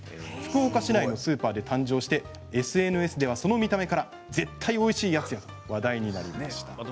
福岡市内のスーパーで誕生してＳＮＳでは、その見た目から絶対おいしいやつと話題になりました。